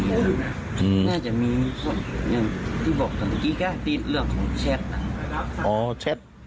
น่าจะมีคนอย่างที่บอกกันเมื่อกี้ก็เรื่องของเช็ด